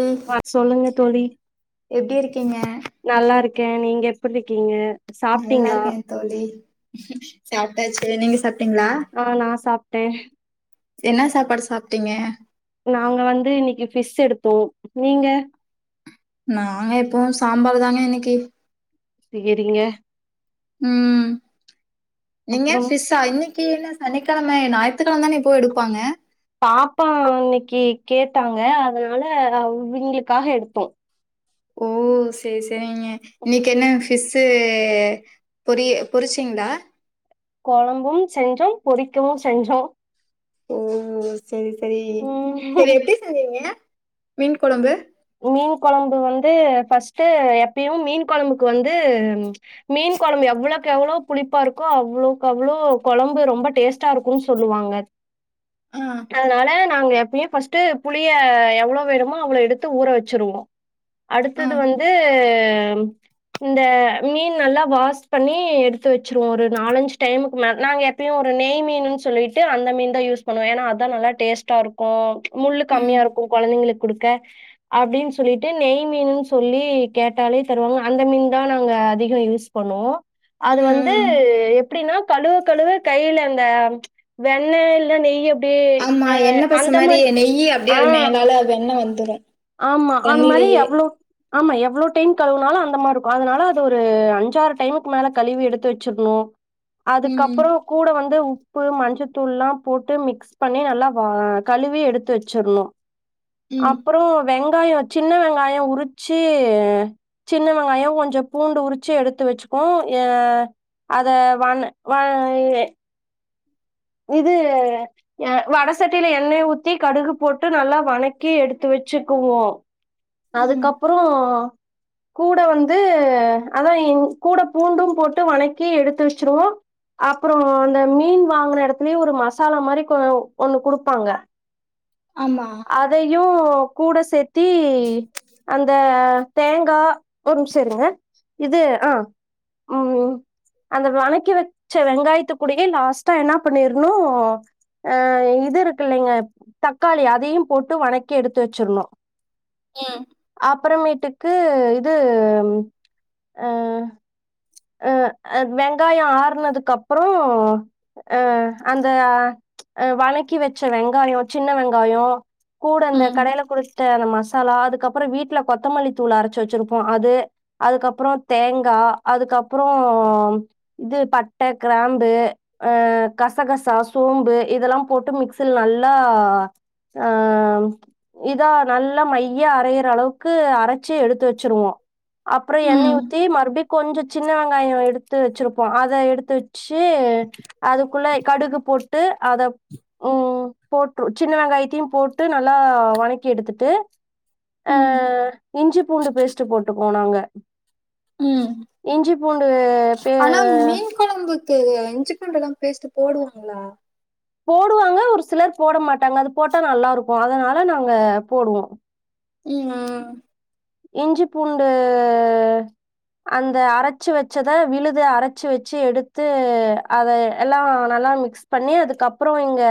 ம் ஆ சொல்லுங்க தோழி எப்டி இருக்கீங்க நல்லா இருக்க நீங்க எப்டி இருக்கீங்க நல்லா சாப்ட்டீங்களா இருக்கேன் தோழி சாப்டாச்சு நீங்க சாப்டீங்களா ஆ நா சாப்ட்டே என்ன சாப்பாடு சாப்டீங்க நாங்க வந்து இன்னிக்கி ஃபிஷ் எடுத்தோ நீங்க நாங்க எப்பவு சாம்பார் தாங்க இன்னிக்கி சேரிங்க ம் நீங்க அப்றம் ஃப்ஷா இன்னிக்கி என்னஸ் சனிக்கெழம இல்ல ஞாயித்துக்கெழம தான போய் எடுப்பாங்க பாப்பா இன்னிக்கு கேட்டாங்க அதனால அவ் இவங்களுக்காக எடுத்தோ ஓ சேர் சே சேரிங்க இன்னிக்கு என்ன ஸ்பெஷலு பொரிய பொரிச்சிங்களா கொழம்பு செஞ்சோம் பொரிக்கவும் செஞ்சோ ஓ சேரி சேரி சேரி ம் எப்டி செஞ்சீங்க மீன் கொழம்பு மீன் கொழம்பு வந்து ஃபஸ்ட்டு எப்பயு மீன் கொழம்புக்கு வந்து மீன் கொழம்பு எவ்வளோக்கு எவ்வளோ புளிப்பா இருக்கோ அவ்வளோக்கு அவ்வளோ கொழம்பு ரொம்ப டேஸ்ட்டா இருக்குன் சொல்லுவாங்க ஆ அதனால நாங்க எப்பயு ஃபஸ்ட்டு புளிய எவ்ளோ வேணுமோ அவ்ளோ எடுத் து ஊற வெச்சுருவோ ஆ அடுத்தது வந்து ஆம் இந்த மீன் நல்லா வாஷ் பண்ணி எடுத்து வெச்சுருவோ ஒரு நாலஞ்சு டைமுக்கு மேல நாங்க எப்புயு ஒரு நெய் மீனுன் சொல்லிட்டு அந்த மீன்தா யூஸ் பண்ணுவோ ஏன்னா அதா நல்லா டேஸ்ட்டா இருக்கும் முள்ளு ம் கம்மியா ம் இருக்கு கொழந்தைங்களுக் குடுக்க அப்டின் சொல்லிட்டு நெய் மீனுன்னு சொல்லி கேட்டாலே தருவாங்க அந்த மீன்தா நாங்க அதிகோ யூஸ் பண்ணுவோ அது வந்து ம் எப் அப்டின்னா கழுவ கழுவ கைல அந்த வெண்ணய இல்ல நெய்யப் ஆமா என்ன பச மாரி நெயி அப்டியே ஆ அது மேலால வெண்ண வந்துரு ஆமா அந்த மாரி தண்ணிலியே அவ்ளோ ஆமா எவ்ளோ டைம் கழுவுனாலு அந்த மார் இருக்கு அதனால அது ஒரு அஞ்சாறு டைமுக்கு மேல கழுவி எடுத்து வெச்சிருணு ம் அதுக்கப்பறோ கூட வந்து உப் உப்பு மஞ்சத்தூல்லா போட்டு மிக்ஸ் பண்ணி நல்லா கழுவி எடுத்து வெச்சுருணு ம் அப் வெங்காயோஸசின்ன வெங்காயோ உருச்சு சின்ன வெங்காயோ கொஞ்சோ பூண்டு உருச்சு எடுத்து வெச்சுக்குவோ ஏ அத வாண வாணல்லயே இது வட சட்டியில எண்ணெய ஊத்தி கடுகு போட்டு நல்லா வணக்கி எடுத்து வெச்சுக்குவோ ம் அதுக்கப்பறோ கூட வந்து ஆனா எங் கூட பூண்டும் போட்டு வணக்கி எடுத்து வெச்சுருவோ அப்பறோ அந்த மீன் வாங்குன எடத்துலயே ஒரு மசாலா மாரி கு ஒண்ணு குடுப்பாங்க ஆமா அதையு கூட சேத்தி அந்த தேங்கா ஒரு நிம்ஷோ இருங்க இது ஆ ம் அந்த வணக்கி வெச்ச வெங்காயத்துக்குடயே லாஸ்ட்டா என்ன பண்ணிருணு அ இது இருக்குல்லைங்க தக்காளி அது அதையும் போட்டு வணக்கி எடுத்து வெச்சுருணு ம் அப்புறமேட்டுக் கு இது ஆ அ அ வெங்காயோ ஆறுனதுக்கப்புறோ அ அந்த அ வணக்கி வெச்ச வெங்காயோ சின்ன வெங்காயோ கூட அந்த ம் கடைல குடுத் டு அந்த மசாலா அதுக்கப்புறோ வீட்ல கொத்தமல்லித் தூள் அரச்சு வெச்சுருப்போ அது அதுக்கப்புறோ தேங்கா அதுக்கப்புறோ இது பட்ட கிராம்பு ஆ கசகசா சோம்பு இதல்லாம் போட்டு மிக்சில நல்லா ஆ இதா நல்லா மையா அரையிற அளவுக்கு அர ச்சு எடுத்து வெச்சுருவோ அப்புறோ எண்ணெய் ம் ஊத்தி மறுபுடியு கொஞ்சோ சின்ன வெங்காயோ எடுத் எடுத்து வெச்சுருப்போ அத எடுத்து வெச்சு அதுக்குள்ள கடுகு போட்டு அத ம் போட்று சின்ன வெங்காயத் த்தியு போட்டு நல்லா வணக்கி எடுத்துட்டு ஆ ம் இஞ்சி பூண்டு பேஸ்ட்ட போட்டு போனாங்க ம் இஞ்சி பூண்டு பே கு இஞ்சி பூண்டு பேஸ்ட்ட போடுவாங்களா போடுவாங்க ஒரு சிலர் போட மாட்டாங்க அது போட்டா நல்லா இருக்கு அதனால நாங்க போடுவோ ம்மா இஞ்சி பூண்டு அந்த அரச்சு வெச்சந விழுது அரச்சு வெச்சு எடுத்து அத எல்லா நல்லா மிக்ஸ் பண்ணி அதுக்கப்புறோ இங்க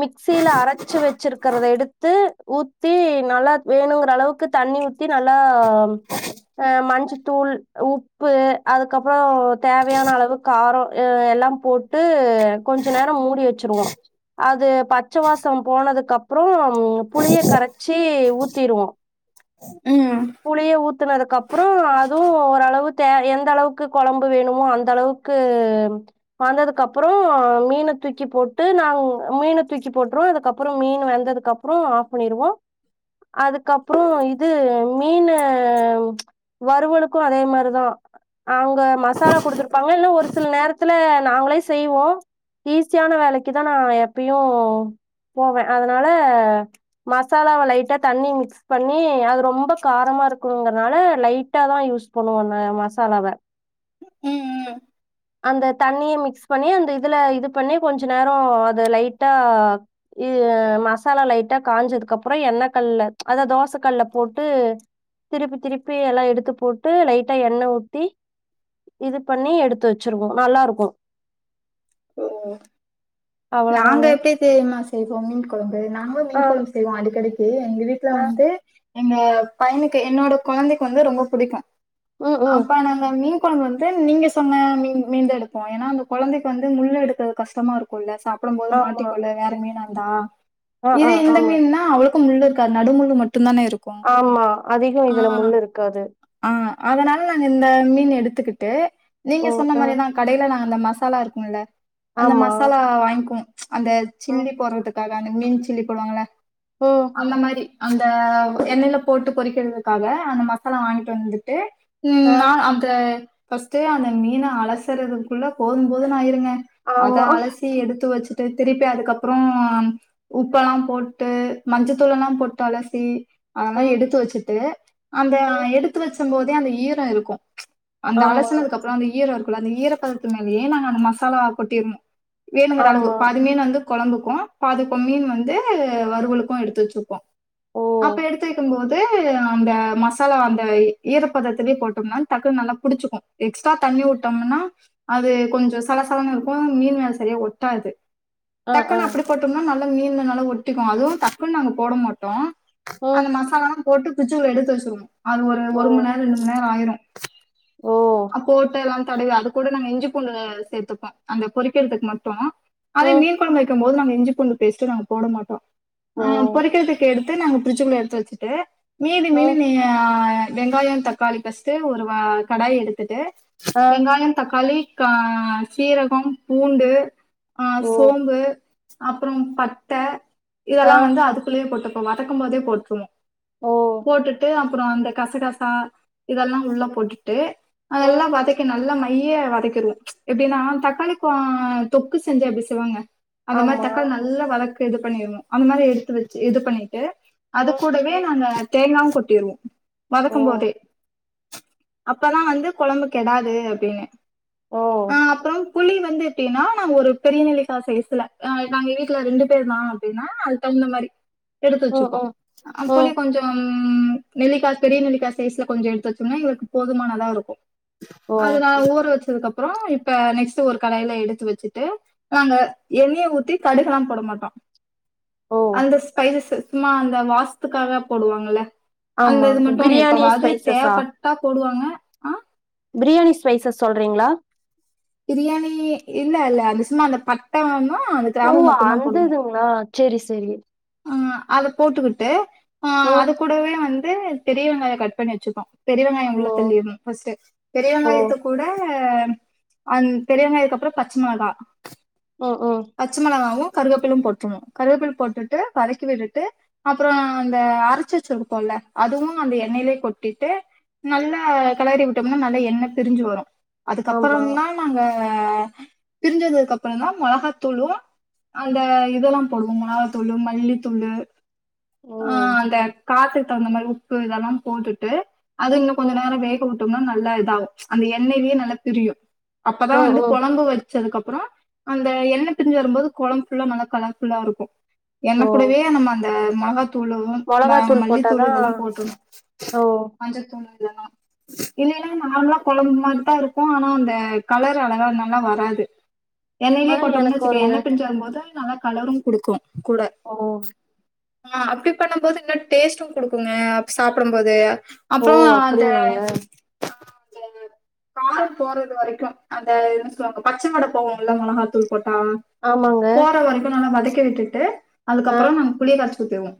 மிக்சில அரச்சு வெச்சுருக்குறத எடுத்து ஊத்தி நல்லா வேணுங்குற அளவுக்கு தண்ணி ஊத் தி நல்லா ஆம் அ மஞ்சத்தூள் உப் உப்பு அதுக்கப்பறோ தேவையான அளவு காரோ எல்லாம் போட்டு கொஞ்ச நேரோ மூடி வெச்சுருவோ அது பச்ச வாசம் போனதுக்கு அப்புறோ ம் புளிய கரச்சு ஊத்திருவோ உ புளிய ஊத் த்துனதுக்கப்புறோ அதுவு ஓரளவு தே எந்த அளவுக்கு கொழம்பு வேணுமோ அந்த அளவுக்கு வந்ததுக்கு அப்புறோ மீன தூக்கி போட்டு நாங் மீன தூக்கி போட்ருவோ அதுக்கப்புறோ மீன் வெந்ததுக்கப்புறோ ஆஃப் பண்ணிருவோ அதுக்கப்பறோ இது மீனு வறுவலுக்கு அதே மாரிதா அவங்க மசாலா குடுத்துருப்பாங்க இல்ல ஒரு சில நேரத்து நாங்களே செய்வோ ஈஸியான வேலைக்குதா நா எப்பயு போவ அதனால மசாலாவ லைட்டா தண்ணி மிக்ஸ் பண்ணி அது ரொம்ப காரமா இருக்குணுங்கறனால லைட்டாதா யூஸ் பண்ணுவ மசாலாவ ம் ம் அந்த தண்ணிய மிக்ஸ் பண்ணி அந்த இதுல இது பண்ணி கொஞ்ச நேரோ அதது லைட்டா மசாலா லைட்டா காயஞ்சதுக்கப்புறோ எண்ண கல்ல அதா தோச கல்ல போட்டு திருப்பி திருப்பி எல்லா எடுத்து போட்டு லைட்டா எண்ண ஊத்தி இது பண்ணி எடுத்து வெ ச்சுருவோ நல்லா இருக்கு ஓ நாங்க எப்டி தெரிமாஸ் செய்வோ மீன் கொழம் பு நாங்களு ஆ, மீன் கொழம்பு செய்வோ அடிக்கடி து எங்க வீட்ல ஆ. வந்து எங்க பையனுக்கு என்னோட கொழந்தைக்கு வந்து ரொம்ப புடிக்கு ம், ம். அப்பா நாங்க மீன் மீன் கொழம்புல வந்து நீங்க சொன்ன மீன் மீன்தா எடுப்போ ஏனா அந்த கொழந்தைக்கு வந்து முள்ள எடுக்க கஷ்டமா இருக்கு இல்ல சாப் புடும் போது ஆமா. மாட்டிக் கொள்ள வேற மீனா தா ஆ, ஆ. இது இந்த ஆமா. மீன்னா அவ்ளோக் க்கு முள்ளு இருக்காது நடு முள்ளு மட் ஆமா அதிகோ இதுல முள்ளு இருக்காது ஆ. அதனால நாங்க இந்த மீன் எடுத்துக்கிட்டு நீங்க ஓ! சொன்ன ஆ. மாரிதா கடைல நா அந்த மசாலா இருக்குமுல்ல அந்த ஆமா. மசாலா வாயிங்கு குவ அந்த ம், சில்லி போறதுக்காக அந்த மீன் சில்லி போடுவாங்கள ம். அந்த மாரி அந்த எண்ணெயல போட்டு கொறிக்க வைப்பாங்க அந்த மசாலா வாங்கிட்டு வந்துட்டு ம் ஆ. நான் அந்த ஃபர்ஸ்ட்ட அந்த மீன அலசறதுக்குள்ள போதும் போதும்ன் ஆயிருங்க. அதா ஆமா. அலசி எடுத் த்து வச் ட்டு திருப்பி அதுக்கப்புறம் ம் உப்ப எல்லாம் போட்டு மஞ்சத்தூள எல்லா போட்டு அலசி. அனால்லா ம், எடுத்து வச்சுட்டு அந்த அ ம். எடுத்து வச் கும் போதே அந்த ஈரம் இருக்கும். அந்த ஆமா, அலசனதுக்கு அப்புறம் அந்த ஈர இருக் அந்த ஈரப்பதத்து மேலயே நா அந்த மசாலா கொட்டிர்னும் ஆமா ன் வந்து குழம்புக்கும் பாதி கொ பாதி மீன் வந்து வறுவலுக்கும் எடுத்து வச்சிருக்கோம். ஓ! அப்ப எடுத்து வைக்கும் போது ந்து அந்த மசாலா அந்த ஈரப்பதத்தலயே போட்டோம்னா டக்குன் நல்லா புடிச்சுக்கும் எக்ஸ்ட்ரா தண்ணி வுட்டம்னா அது கொஞ்ச சல சலன்னு இருக்கும் மீன் வேற சரியா ஒட்டாது. ஆ, ஆ. டக்குன் அப்டி போட்டோம்னா நல் [unintelligible] மீந்தனால ஒட்டிக்கும் அதுவும் டக்குன் நாங்க போட மாட்டோம். ம். அந்த மசாலாம் போட்டு ஃபிரிட்ஜ்குள்ள எடுத்து வச்சுருவோம். அது ஒரு ஓ! ஒரு மண் நேரம் ரெண்டு மண் நேரம் ஆயிரும். ஓ! அப் போட்டலாம். தடவி அது கூட நாங்க இஞ்சி பூண்டு சேத்துப்போம் அந்த பொறிக்கறதுக் மட்டும். அதே ம். மீன் குழம்பு வைக்கும் போது நாங்க எ இஞ்சி பூண்டு பேஸ்ட்டு நாங்க போட மாட்டோ ஓ! ஆ பொறிக்கறதுக் எடுத் து நாங்க ஃப்ரிட்ஜிக்குள்ள எடுத்து வச்சிட்டு மீதி ம். [unintelligible] வெங்காய தக்காளி ஃபர்ஸ்ட்டு ஒரு வா கடாய் எடுத் இத்து ஆ. வெங்காயம் தக்காளி கா அ சீரகம் பூண்டு அஹ ஓ! சோம்பு அப்புறம் பட்டா ஆ. இதெல்லாம் வந்து அதுக்குள்ளயே போட்டு இப்ப வதக்கும் போதே போட்டுருவோம் ஓ! போட்டுட்டு அ அப்புறம் அந்த கசகசா இதெல்லாம் உள்ள போட்டுட்டு ம். அதெல்லாம் வதைக்கணும் நல்ல தையே வதைக்குறது எப்படின்னா தக்காளிக்கும் தொக்கு செஞ்சா அப்படி செய்வாங்க அந்த மாதிரி ஆமா. தக்காளி நல்லா வதக்கு இது பண்ணிருணும் அந்த மாதிரி எடுத்து வச்சு இது பண்ணி அது ம். கூடவே நாங்க தேங்காவும் கொட்டிறனும் ஓ! வதக்கும் போதே அப்பதான் வந்து கொழம்பு கெடாது அப்படின்னு ஓ! ஆஹ் அப்பறம் புளி வந்து எப்படின்னா நாங்க ஒரு பெரிய நெல்லிக்கா சைஸ்ல நாங்க வீட்டுல ரெண்டு பேர் தான் அப்படின்னா அது தகுந்த மாதிரி எடுத்து ம், வச்சுப்போம் ம். அ புளி ம். கொஞ்சம் உம் நெல்லிக்காய் பெரிய நெல்லிக்காய் சைஸ்ல கொஞ்சம் எடுத்துச்சோம்னா எங்களுக்கு போதுமானதான் இருக்கும் ஓ அது நான் ஊற வச்சு அதுக்கபுறம் இப்ப நெக்ஸ்ட் ஒரு கடாயில எடுத்து வச்சுட்டு நாங்க எண்ணெயை ஊத்தி கடுகுல்லாம் போட மாட்டோம் ஓ அந்த ஸ்பைசஸ் சும்மா அந்த வாசத்துக்காக போடுவாங்கல அந்த ஆமா இது மட்டும் பிரியாணி எப்பவாவது ஸ்பைசஸா தேவைப்பட்டா போடுவாங்க ஆஹ் பிரியாணி ஸ்பைசஸ் சொல்றீங்களா பிரியாணி இல்ல இல்ல அது சும்மா அந்த பட்ட ம ஓ அந்ததுங்கங்களா செரி செரி செரி ஆ அத போட்டுக்கிட்டு ஆஹ் ம் அது கூடவே வந்து பெரிய வெங்காயம் கட்பன்னி வச்சுப்போம் பெரியவெங்காயம் ஓ உள்ளத் தள்ளிரனும் ஃபர்ஸ்ட்டு ஓ பெரியவங்காயத்தை போட்டு அ பெரியவெங்காயத்துக்கு அதுக்கப்புறம் பச்சை மிளகா ம் ம் பச்ச மொளகாவும் கருவேப்பில்லை போட்டுறணும் கருவேப்பில்ல போட்டுட்டு விட்டு வதக்கி விட்டுட்டு அப்புறம் அந்த அரைச்ச வச்சிருப்போம்ல்ல அதுவும் அந்த எண்ணெயிலயே கொட்டிட்டு நல்ல கெலறி விட்டோம்னா நல்ல எண்ணெய் பிரிஞ்சு வரும் ஆமா அதுக்கப்புறம்ல்லாம் நாங்க ஆ பிரிஞ்சதுக்கு அப்புறம்தா மொளகாத்தூளு அந்த இதெல்லா போடுவோ மொளகா த்தூளு மல்லித்தூளு ஆ ம் அந்த காரத்துக் தகுந்த மாரி உப்பு இதெல்லா போட்டுட்டு அதுகள கொஞ்ச ம் நேரோ வேக உ ட்டோம்னா நல்லா இதாகு அந்த எண்ணயிலயே நல்லா திரியு. அப்பதா ம் வந்து ம் கொழம்பு வச் சதுக்கப்புறோ அந்த எண்ண பிரிஞ்சு வரும்போது கொழம்பு ஃபுல்லா நல்லா கலர்ஃபுல்லா இருக்கு எண்ண ஓ கூடவே நம்ம அந் த மொளகாத் தூளுவு ம மொளகாத்தூள் மல்லித்தூளு போட்டாதா இதெல்லா போட்ரணு ஓ மஞ்சத்தூளு இல்லைன்னா நா நார்மலா கொழம்பு மாரிதா இருக்கு ஆனா அந்த கலர் அழகா நல்லா வராது எண்ணையிலயே ஆனா போட்டோன்னு எனக்கு வச்சுக்க வருங்க எண்ண பிரிஞ்சு வரும் போது நல்லா கலரு குடுக்கு கூட ஓ ஆ அப்டி பண்ணும் போது இன்னு டேஸ்ட்டு குடுக்குங்க அப் சாப்டும்போது ஓ அப்றோ அந்த அப்டிங்களாங்க காரோ போறது வரைக்கு அந்த என்ன சொல்லுவாங்க பச்ச வாட போகணு இல்ல மொளகாத்தூள் போட்டா ஆமாங்க போற வரைக்கு நல்லா வத க்கி விட்டு ட்டு ஆ அதுக்கப்புறோ நாங்க புளிய கரச்சு ஊத்திருவே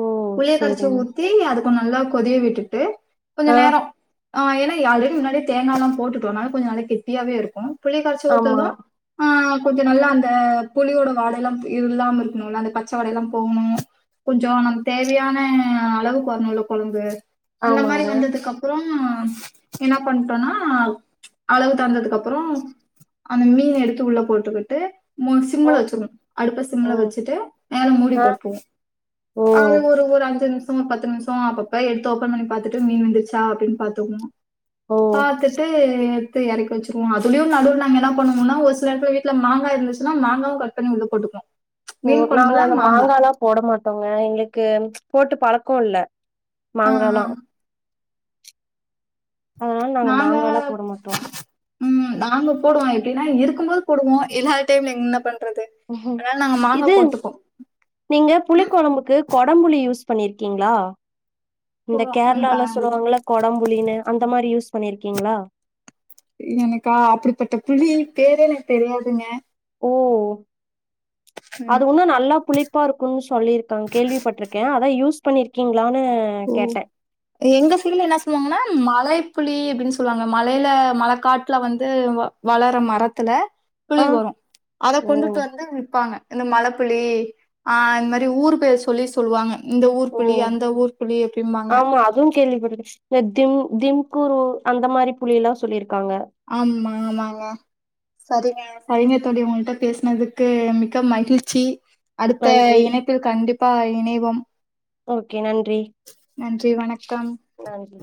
ஓ புளிய கரைச்சு சரிங்க ஊத்தி அது அப்ப நல்லா கொதிய விட்டுட்டு கொஞ்ச ஆ நேரோ ஆ ஏன்னா ஆல்ரெடி முன்னாடியே தேங்கா எல்லா போட்டுட்டோ அதனால கொஞ்சோ நல்லா கெட்டியாவே இருக்கு புளிய கரச்சு ஆமா ஊத்துனது ஆ கொஞ்ச நல்லா அந்த புளியோட வாடை எல்லா போய் இது இல்லாம இருக்கணுல்ல அந்த பச்ச வாடை எல்லா போகணு கொஞ்சோ நமக்கு தேவையான அளவுக்கு வரணுல்ல கொழம்பு அந்த மாரி ஆமாங்க வந்ததுக்கு அப்புறோ ஆ என்ன பண்ட்டோன்னா அளவு தகுந்ததுக்கு அப்புறோ அந்த மீன எடுத்து உள்ள போட்டுக்கிட்டு மூடி சிம்முல ம் வச்சுருவ அடுப்ப சிம்முல ம் வச்சுட்டு மேல மூடி ஆ போட்ருவோ ஓ அது ஒரு ஒரு அஞ்சு நிம்ஷமா பத்து நிம்ஷோ ஆ அப்பப்ப எடுத்து ஓப்பன் பண்ணி பாத்துட்டு மீன் வெந்துருச்சா அப்டின் பாத்துக்குனு ஓ பாத்துட்டு கு எறக்கி வெச்சுருவோ அதுலயு நடுவுல நாங்க என்ன பண்ணுவோனா ஒரு சில பேர் வீட்ல மாங்கா இருந்துச்சுனா மாங்காவு கட் பண்ணி உள்ளப் கொடுக்கு ஓ நாங்க அந்த மாங்காலா போட மாட்டோங்க எங்களுக்கு போட்டு பழக்கோல்ல ஆ, ஆ. மாங்காளா அதனால நாங்க மாங்காளா போட மாட்டோ ம் நாங்க போடுவோ எப்டின்னா இருக்கும் போது போடுவோ இல்லாத டைம்ல என்ன பண் இது நீங்க ம். புளிக்கொழம்புக்கு கொடம்புளி யூஸ் பண்ணிருக்கீங்களா இந்த போவோம். எனக்கு கேரளால அது சொல்லுவாங்கள கொடம்புளின்னு அந்த மாரி யூஸ் பண்ணிருக்கீங்களா எனக்கா அப்டிப்பட்ட புள்ளி பேர எனக்கு தெரியாதுங்க ஓஓ அது ம். ஒண்ணு நல்லா புளிப்பா இருக்குன் சொல்லிருக்காங் கேள்விப்பட்டுருக்க அதா யூஸ் பண்ணிருக்கீங் ஓ எங்க சீல என்ன சொல்லுவாங்கன்னா மலை புளி அப்டின் சொல்வாங்க மலைல மழக்காட்டுல வந்து வளர மரத்துல கபுளி ஆ வரு அத ஓ கொண்டுட்டு வந்து விப்பாங்க இந்த மலப்புளி ஆ இந்த மாரி ஊரு பேரு சொல்லி சொல்லுவாங்க இந்த ஊர் ஓ புளி அந்த ஊர் அப்டிம்பாங்க ஆமா அதுவு கேள்விப்பட்டுருக்க [unintelligible] ம் திம்குரு அந்த மாரி புள் எல்லா சொல்லிருக்காங்க ஆம்மா ஆமாவா சரிங்க சரிங்கத் தோழி உங்கள்ட பேசுனதுக்கு மிக்க மகிழ்ச்சி அடுத்த நன்றி இணைப்பில் கண்டிப் ப்பா இணைவோம் ஓகே நன்றி நன்றி வணக்கம் நன்றி